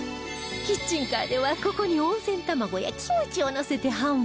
キッチンカーではここに温泉卵やキムチをのせて販売